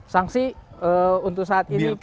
sanksi untuk saat ini